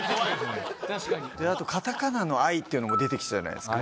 あとカタカナの「アイ」も出てきたじゃないですか。